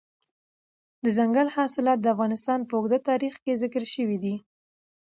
دځنګل حاصلات د افغانستان په اوږده تاریخ کې ذکر شوي دي.